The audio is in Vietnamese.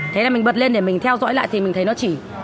thế là mình bật lên để mình theo dõi lại thì mình thấy nó chỉ